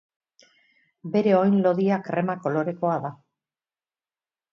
Bere oin lodia krema kolorekoa da.